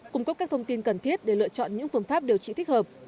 cung cấp các thông tin cần thiết để lựa chọn những phương pháp điều trị thích hợp